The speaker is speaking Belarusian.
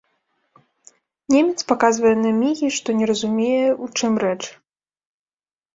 Немец паказвае на мігі, што не разумее, у чым рэч.